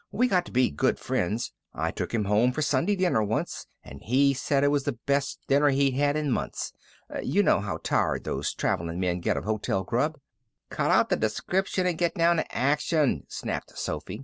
We got to be good friends. I took him home for Sunday dinner once, and he said it was the best dinner he'd had in months. You know how tired those traveling men get of hotel grub." "Cut out the description and get down to action," snapped Sophy.